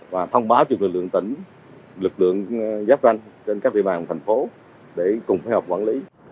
và thông báo cho lực lượng công an các địa phương